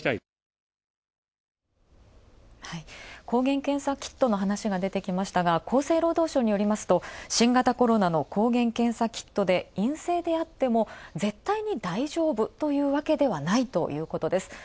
抗原検査キットの話が出てきましたが厚生労働省によりますと新型コロナの抗原検査キットで陰性であっても絶対に大丈夫というわけではないということ。